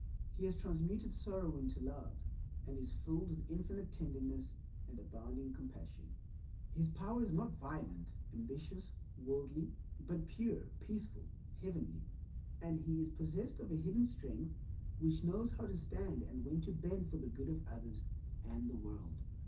He has transmuted sorrow into love, and is filled with infinite tenderness and abounding compassion. His power is not violent, ambitious, worldly, but pure, peaceful, heavenly, and he is possessed of a hidden strength which knows how to stand and when to bend for the good of others and the world.